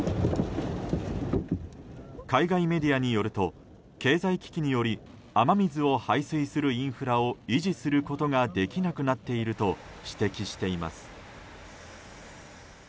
海外メディアによると経済危機により雨水を排水するインフラを維持することができなくなっていると指摘しています。